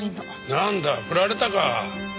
なんだフラれたか。